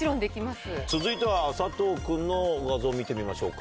続いては佐藤君の画像見てみましょうか。